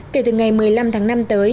kể từ ngày một mươi năm tháng năm tới